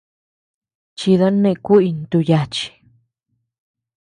Chida neʼe kuʼuy ntú yachi.